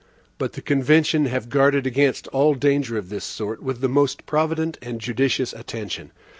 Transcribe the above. But the convention have guarded against all danger of this sort, with the most provident and judicious attention.